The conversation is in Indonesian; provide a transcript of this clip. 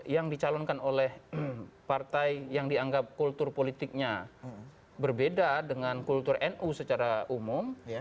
yang dicalonkan oleh partai yang dianggap kultur politiknya berbeda dengan kultur nu secara umum